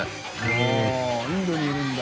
おぉインドにいるんだ。